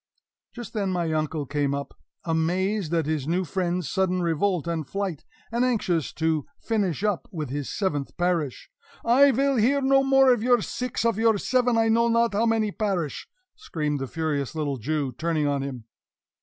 Just then my uncle came up, amazed at his new friend's sudden revolt and flight, and anxious to finish up with his seventh parish. "I vill hear no more of your six, of your seven I know not how many parish!" screamed the furious little Jew, turning on him.